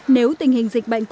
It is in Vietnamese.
nếu tình hình dịch bệnh